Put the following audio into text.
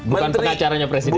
bukan pengacaranya presiden